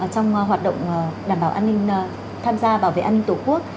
trong hoạt động đảm bảo an ninh tham gia bảo vệ an ninh tổ quốc